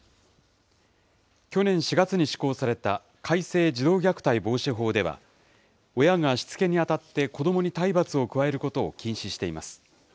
去年４月に施行された改正児童虐待防止法では、親がしつけにあたって子どもに体罰を加えることを禁止しています。